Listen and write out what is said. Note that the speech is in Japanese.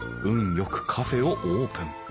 よくカフェをオープン。